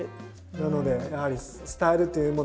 なのでやはりスタイルというもの。